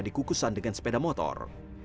di kukusan dengan sepeda motor